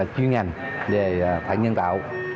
chuyên ngành về thận nhân tạo